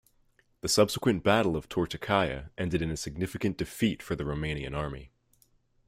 The subsequent Battle of Turtucaia ended in a significant defeat for the Romanian Army.